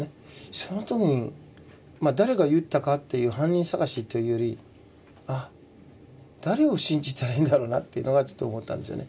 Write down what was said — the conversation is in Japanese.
その時に誰が言ったかっていう犯人捜しというよりあっ誰を信じたらいいんだろうなっていうのはちょっと思ったんですよね。